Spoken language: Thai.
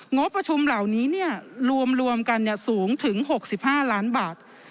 งบประชุมเหล่านี้รวมกันสูงถึง๖๕ล้านบาท